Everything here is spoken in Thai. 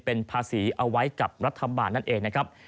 เป็นภาษีเอาไว้กับรัฐบาลนั่นเองนะครับ